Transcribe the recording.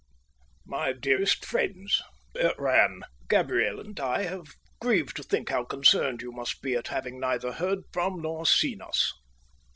"MY DEAREST FRIENDS," it ran, "Gabriel and I have grieved to think how concerned you must be at having neither heard from nor seen us.